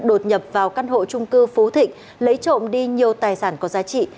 đột nhập vào căn hộ trung cư phú thịnh lấy trộm đi nhiều tài sản có giá trị